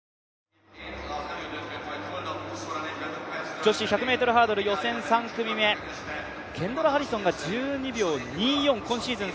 女子１００ｍハードル予選３組目ケンドラ・ハリソンが１２秒２４、今シーズン